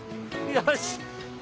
よし。